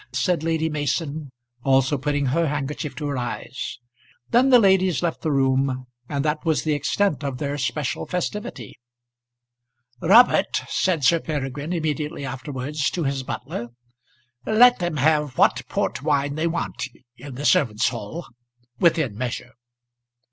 said Lady Mason, also putting her handkerchief to her eyes. Then the ladies left the room, and that was the extent of their special festivity. "Robert," said Sir Peregrine immediately afterwards to his butler, "let them have what port wine they want in the servants' hall within measure."